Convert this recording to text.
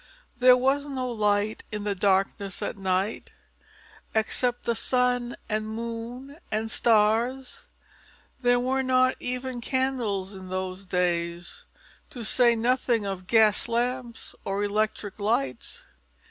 There was no light in the darkness at night except the sun and moon and stars. There were not even candles in those days, to say nothing of gas lamps or electric lights.